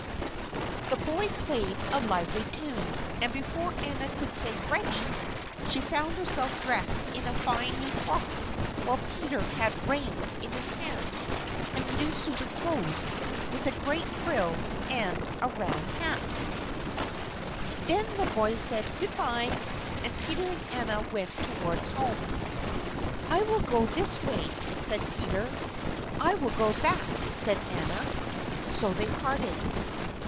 The boy played a lively tune, and before Anna could say "ready," she found herself dressed in a fine new frock; while Peter had the reins in his hands, and a new suit of clothes with a great frill and a round hat. [Illustration: THEY WERE AS HIGH UP IN THE AIR AS THE TOP OF A MOUNTAIN] Then the boy said "Good by," and Peter and Anna went towards home. "I will go this way," said Peter. "I will go that," said Anna. So they parted.